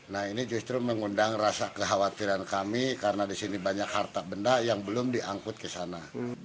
nah ini justru mengundang rasa kekhawatiran kami karena di sini banyak harta benda yang belum diangkut ke sana